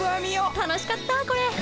楽しかったこれ。